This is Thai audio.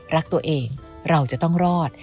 รักตัวเองเราจะต้องรอด